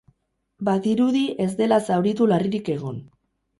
Badirudi ez dela zauritu larririk egon.